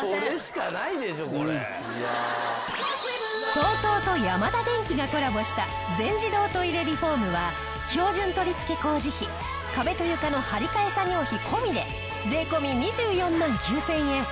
ＴＯＴＯとヤマダデンキがコラボした全自動トイレリフォームは標準取り付け工事費壁と床の張り替え作業費込みで税込２４万９０００円。